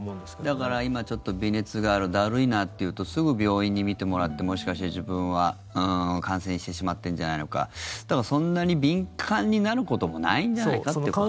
だから今ちょっと微熱があるだるいなっていうとすぐ病院に診てもらってもしかして自分は感染してしまってるんじゃないかそんなに敏感になることもないんじゃないかってことかな。